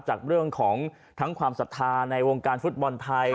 จากเรื่องของทั้งความศรัทธาในวงการฟุตบอลไทย